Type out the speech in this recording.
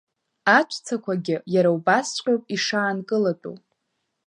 Аҵәцақәагьы иара убасҵәҟьоуп ишаанкылатәу…